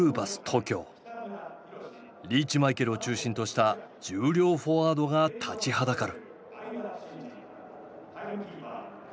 リーチマイケルを中心とした重量フォワードが立ちはだかる。